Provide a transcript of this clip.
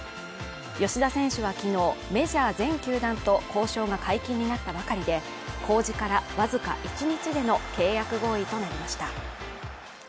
吉田選手は昨日メジャー全球団と交渉が解禁になったばかりで公示からわずか１日での契約合意となりました